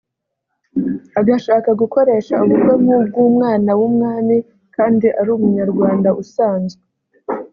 Agashaka gukoresha ubukwe nk’ubw’umwana w’umwami kandi ari Umunyarwanda usanzwe